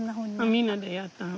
みんなでやったの？